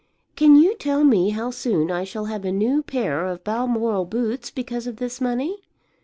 Can you tell me how soon I shall have a new pair of Balmoral boots because of this money?